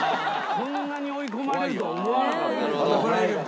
こんなに追い込まれるとは思わなかった。